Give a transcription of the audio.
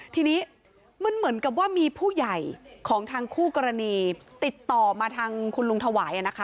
ทีนี้มันเหมือนกับว่ามีผู้ใหญ่ของทางคู่กรณีติดต่อมาทางคุณลุงถวายนะคะ